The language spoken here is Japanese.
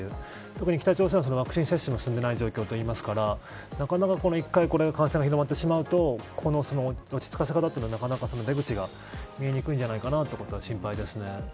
特に北朝鮮はワクチン接種も進んでいない状況といいますから一回感染が広がってしまうと落ち着かせ方は、出口が見えにくいんじゃないかと思って心配です。